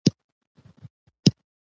هېواد د ازادۍ سمبول دی.